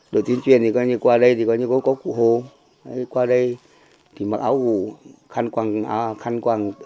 đội tiến truyền thì coi như qua đây thì có cụ hồ qua đây thì mặc áo vù khăn quàng áo vù